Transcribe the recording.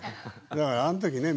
だからあん時ね